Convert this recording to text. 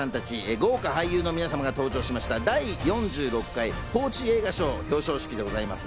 豪華俳優の皆さんが登場したのは第４６回報知映画賞表彰式でございます。